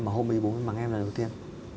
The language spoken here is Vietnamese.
mà hôm ấy bố mới mắng em là đầu tiên